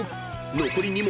［残り２問。